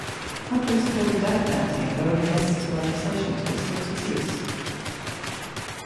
Hunter supported death penalty and voted against legislation to restrict its use.